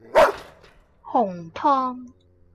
紅湯